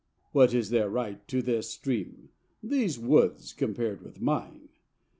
What is their right to this stream, these woods, compared with mine?